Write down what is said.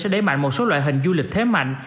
để đẩy mạnh một số loại hình du lịch thế mạnh